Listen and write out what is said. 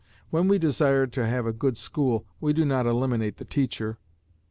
When we desire to have a good school, we do not eliminate the teacher.